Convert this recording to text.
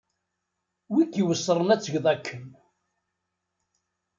Wi k-iweṣren ad tgeḍ akken.